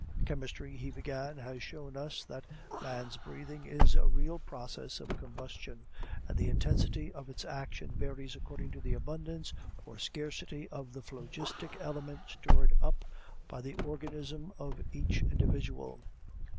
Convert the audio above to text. "Chemistry," he began, "has shown us that man's breathing is a real process of combustion, and the intensity of its action varies according to the abundance or scarcity of the phlogistic element stored up by the organism of each individual.